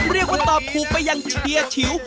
ลีกว่าตอบผูกไปยังเชียว